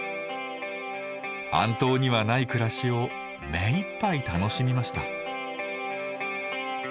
安島にはない暮らしを目いっぱい楽しみました。